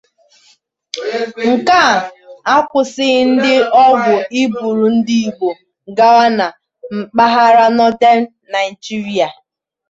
Nke a akwụsịghị ndị ugwu igburu ndị Igbo gawa na mpaghara “Northern” Naịjirịa